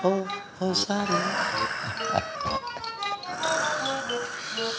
oh oh oh oh sarina